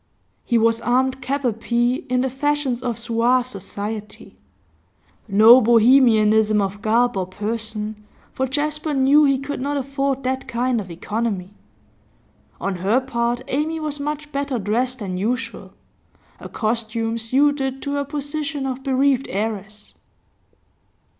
He was armed cap a pie in the fashions of suave society; no Bohemianism of garb or person, for Jasper knew he could not afford that kind of economy. On her part, Amy was much better dressed than usual, a costume suited to her position of bereaved heiress.